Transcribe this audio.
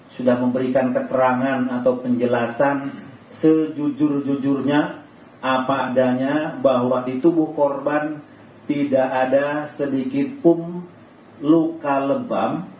sudah memberikan keterangan atau penjelasan sejujur jujurnya apa adanya bahwa di tubuh korban tidak ada sedikitpun luka lebam